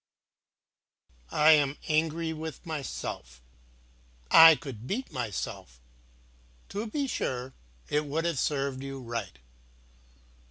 "I am angry with myself. I could beat myself! To be sure, it would have served you right.